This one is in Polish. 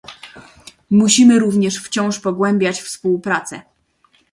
Musimy również wciąż pogłębiać współpracę